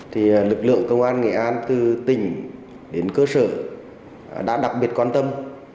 thì lực lượng công an nghệ an từ tỉnh đến cơ sở đã đặc biệt quan tâm